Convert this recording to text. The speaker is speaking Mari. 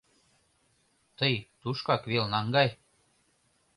Тый тушкак вел наҥгай: